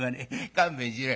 勘弁しろよ。